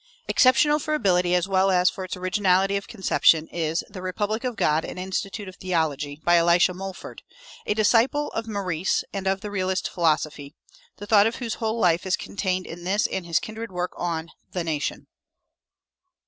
Exceptional for ability, as well as for its originality of conception, is "The Republic of God: An Institute of Theology," by Elisha Mulford, a disciple of Maurice and of the realist philosophy, the thought of whose whole life is contained in this and his kindred work on "The Nation."